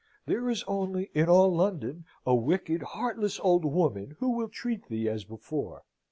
"There is only, in all London, a wicked, heartless old woman who will treat thee as before.